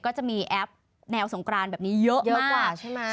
ก็จะมีแอปแนวสงกรานแบบนี้เยอะกว่าใช่ไหม